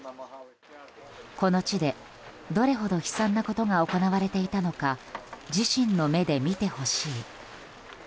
この地で、どれほど悲惨なことが行われていたのか自身の目で見てほしい。